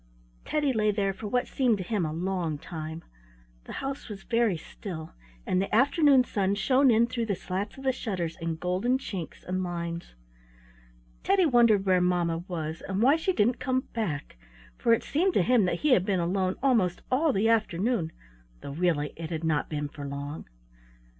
Teddy lay there for what seemed to him a long time. The house was very still, and the afternoon sun shone in through the slats of the shutters in golden chinks and lines. Teddy wondered where mamma was, and why she didn't come back, for it seemed to him that he had been alone almost all the afternoon, though really it had not been for long.